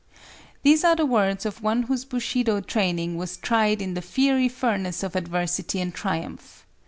These are the words of one whose Bushido training was tried in the fiery furnace of adversity and triumph.